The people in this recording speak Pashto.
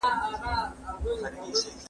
آیا پسرلنۍ هوا تر ژمنۍ هوا پاکه ده؟